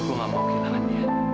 aku gak mau kehilangan dia